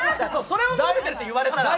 それを「モテてる」って言われたら。